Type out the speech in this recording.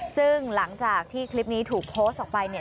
ซึ่งหลังจากที่คลิปนี้ถูกโพสต์ออกไปเนี่ย